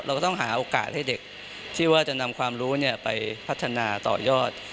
ก็ต้องหาโอกาสให้เด็กที่ว่าจะนำความรู้ไปพัฒนาต่อยอด